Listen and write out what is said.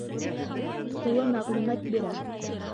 Тулы мәғлүмәт бирә.